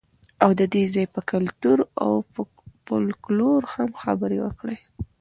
او د دې ځای پر کلتور او فولکلور هم خبرې وکړئ.